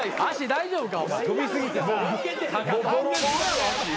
大丈夫か？